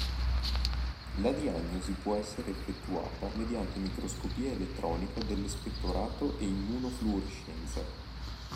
La diagnosi può essere effettuata mediante microscopia elettronica dell'espettorato e immunofluorescenza.